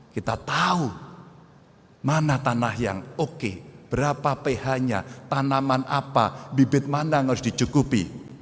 kita tahu mana tanah yang oke berapa ph nya tanaman apa bibit mana yang harus dicukupi